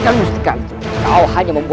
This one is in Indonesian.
permainan ini akan seru